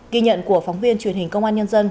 ghi nhận của phóng viên truyền hình công an nhân dân